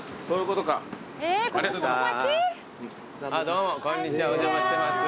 どうもこんにちはお邪魔してます。